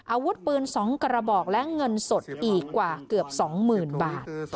อาวุธปืน๒กระบอกและเงินสดอีกกว่าเกือบ๒๐๐๐บาท